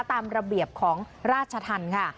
ตามระเบียบของราชธรรมค่ะ